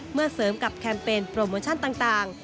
เสริมกับแคมเปญโปรโมชั่นต่าง